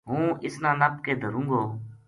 ہوں اس نا نپ کے دھروں گو